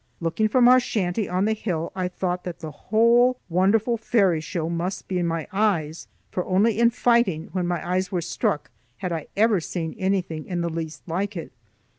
Looking from our shanty on the hill, I thought that the whole wonderful fairy show must be in my eyes; for only in fighting, when my eyes were struck, had I ever seen anything in the least like it.